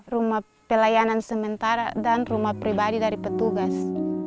rumah pelayanan sementara dan rumah pribadi dari petugas